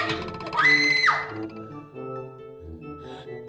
kenapa aku pengen berhenti